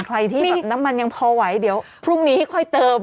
ใครที่แบบน้ำมันยังพอไหวเดี๋ยวพรุ่งนี้ค่อยเติม